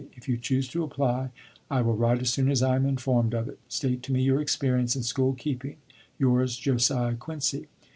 If you choose to apply, I will write as soon as I am informed of it. State to me your experience in school keeping. Yours, "JOSIAH QUINCY."